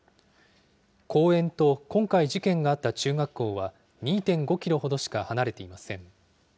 公園と今回事件があった中学校は、２．５キロほどしか離れていません。